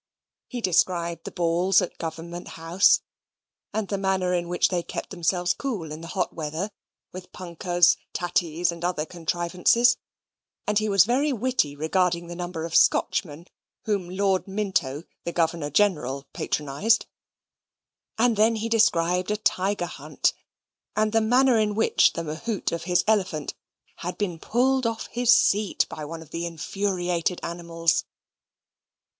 He described the balls at Government House, and the manner in which they kept themselves cool in the hot weather, with punkahs, tatties, and other contrivances; and he was very witty regarding the number of Scotchmen whom Lord Minto, the Governor General, patronised; and then he described a tiger hunt; and the manner in which the mahout of his elephant had been pulled off his seat by one of the infuriated animals.